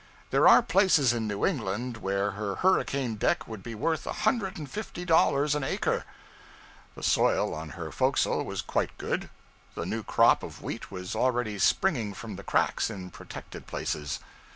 There are places in New England where her hurricane deck would be worth a hundred and fifty dollars an acre. The soil on her forecastle was quite good the new crop of wheat was already springing from the cracks in protected places.